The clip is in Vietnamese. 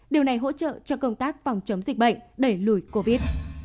điều này hỗ trợ cho công tác phòng chống dịch bệnh đẩy lùi covid